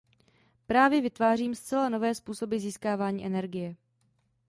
Právě vytváříme zcela nové způsoby získávání energie.